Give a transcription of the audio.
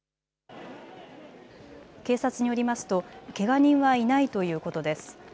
警察によりますとけが人はいないということです。